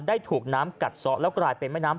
ถูกน้ำกัดซะแล้วกลายเป็นแม่น้ำ